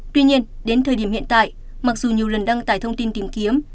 tuy nhiên đến thời điểm hiện tại mặc dù nhiều lần đăng tải thông tin tìm kiếm